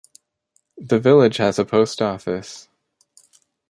The village has a post office.